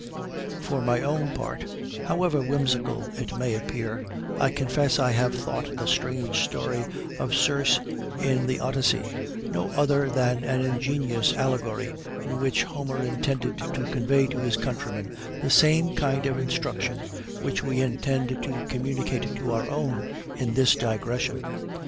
For my own part, however whimsical it may appear, I confess I have thought the strange story of Circe in the Odyssey no other than an ingenious allegory, in which Homer intended to convey to his countrymen the same kind of instruction which we intend to communicate to our own in this digression.